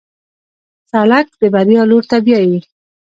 سړک د بریا لور ته بیایي.